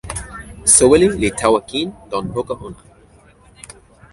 soweli li tawa kin, lon poka ona.